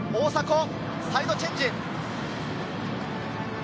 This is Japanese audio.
サイドチェンジ。